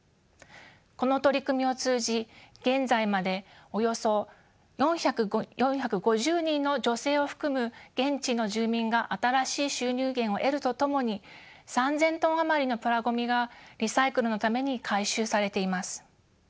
この取り組みを通じ現在までおよそ４５０人の女性を含む現地の住民が新しい収入源を得るとともに３，０００トン余りのプラごみがリサイクルのために回収されています。